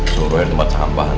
suruh yang tempat tambahan